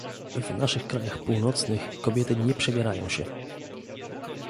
"W naszych krajach północnych kobiety nie przebierają się!"